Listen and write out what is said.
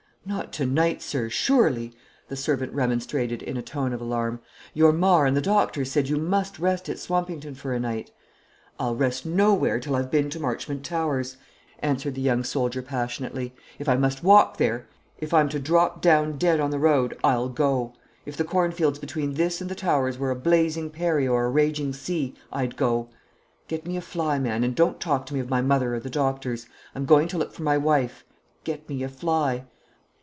"Not to night, sir, surely?" the servant remonstrated, in a tone of alarm. "Your Mar and the doctors said you must rest at Swampington for a night." "I'll rest nowhere till I've been to Marchmont Towers," answered the young soldier passionately. "If I must walk there, if I'm to drop down dead on the road, I'll go. If the cornfields between this and the Towers were a blazing prairie or a raging sea, I'd go. Get me a fly, man; and don't talk to me of my mother or the doctors. I'm going to look for my wife. Get me a fly."